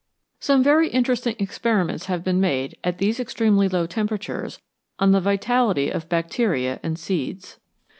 Some very interesting experiments have been made at these extremely low temperatures on the vitality of bacteria and seeds.